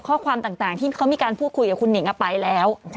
ข้อความต่างที่เขามีการพูดคุยกับคุณหนิงไปแล้ว